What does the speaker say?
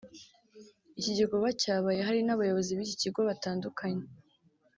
Iki gikorwa cyabaye hari n’abayobozi b’iki kigo batandukanye